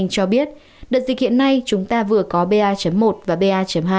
cho biết đợt dịch hiện nay chúng ta vừa có ba một và ba hai